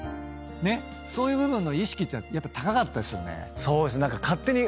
そういう部分の意識ってやっぱ高かったですよね。